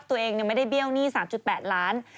ตัวเองไม่ได้เบี้ยวหนี้๓๘ล้าน